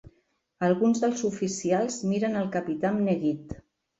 Alguns dels oficials miren el capità amb neguit.